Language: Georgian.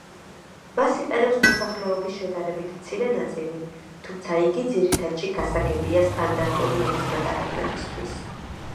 მას იყენებს მოსახლეობის შედარებით მცირე ნაწილი, თუმცა იგი ძირითადში გასაგებია სტანდარტული ენის მატარებლებისთვის.